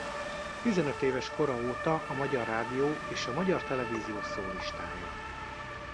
Tizenöt éves kora óta a Magyar Rádió és a Magyar Televízió szólistája.